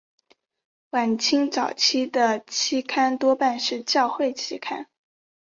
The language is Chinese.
晚清早期的期刊多半是教会期刊。